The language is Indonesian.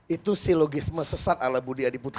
itu silogisme sesat ala budi adiputro